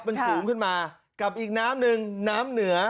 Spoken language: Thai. มันสูงขึ้นมากับอีกน้ำหนึ่งน้ำเหนือ